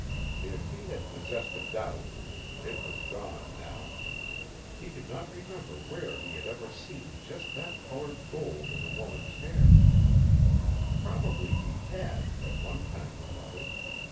If he had possessed a doubt, it was gone now. He could not remember where he had ever seen just that colored gold in a woman's hair. Probably he had, at one time or another.